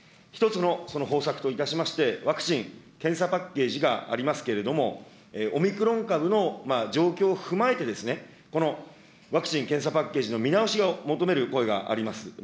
１つの方策といたしまして、ワクチン・検査パッケージがありますけれども、オミクロン株の状況を踏まえて、このワクチン・検査パッケージの見直し、求める声があります。